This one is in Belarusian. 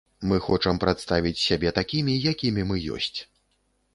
Мы хочам прадставіць сябе такімі, якімі мы ёсць.